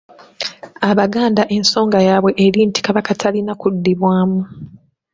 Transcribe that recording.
Abaganda ensonga yaabwe eri nti Kabaka talina kuddibwamu.